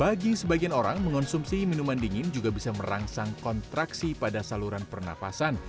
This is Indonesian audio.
bagi sebagian orang mengonsumsi minuman dingin juga bisa merangsang kontraksi pada saluran pernafasan